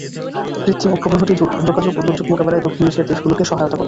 কৃত্রিম উপগ্রহটি যোগাযোগ ও দুর্যোগ মোকাবেলায় দক্ষিণ এশিয়ার দেশগুলোকে সহায়তা করবে।